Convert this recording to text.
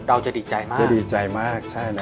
เราจะดีใจมาก